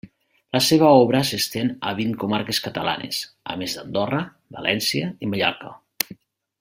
La seva obra s'estén a vint comarques catalanes, a més d'Andorra, València i Mallorca.